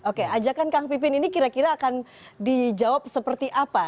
oke ajakan kang pipin ini kira kira akan dijawab seperti apa